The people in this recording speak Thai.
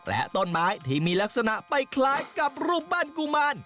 และต้นไม้ที่มีลักษณะไปคล้ายกับรูปปั้นกุมาร